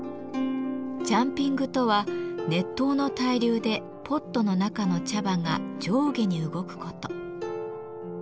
ジャンピングとは熱湯の対流でポットの中の茶葉が上下に動くこと。